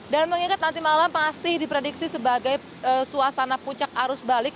dan mengingat nanti malam masih diprediksi sebagai suasana puncak arus balik